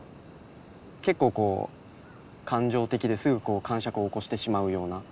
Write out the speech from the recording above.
結構こう感情的ですぐかんしゃくを起こしてしまうような。